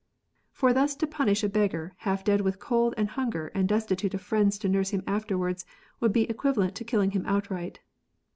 [For thus to punish a beggar half dead with cold and hunger and destitute of friends to nurse him afterwards, would be equivalent to killing him outright.